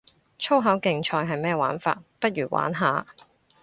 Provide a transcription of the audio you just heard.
粗口競賽係咩玩法，不如玩下